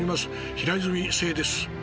平泉成です。